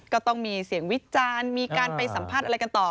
ก็ต้องมีเสียงวิจารณ์มีการไปสัมภาษณ์อะไรกันต่อ